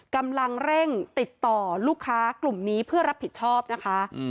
กำลังเร่งติดต่อลูกค้ากลุ่มนี้เพื่อรับผิดชอบนะคะ